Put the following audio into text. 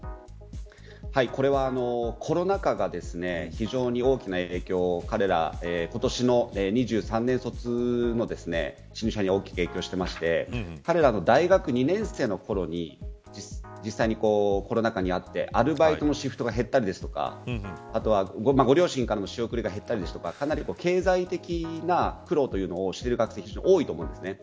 これはコロナ禍が非常に大きな影響を今年の２３年卒の新入社員に大きく影響していて彼らの大学２年生の頃に実際にコロナ禍にあってアルバイトのシフトが減ったりとかあとはご両親からの仕送りが減ったりとか経済的な苦労というのをしている学生が非常に多いと思うんです。